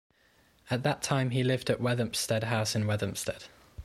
At that time he lived at Wheathampstead House in Wheathampstead.